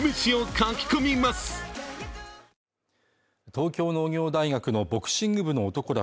東京農業大学のボクシング部の男ら